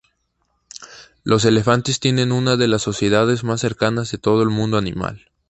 Los elefantes tienen una de las sociedades más cercanas de todo el mundo animal.